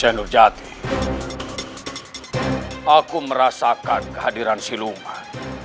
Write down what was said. aku merasakan kehadiran siluman